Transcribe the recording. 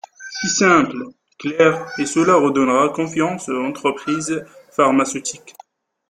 C’est simple, clair et cela redonnera confiance aux entreprises pharmaceutiques.